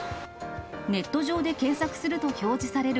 ネット上で検索すると表示される